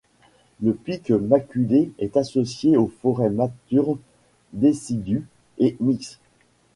Le Pic maculé est associé aux forêts matures décidues et mixtes.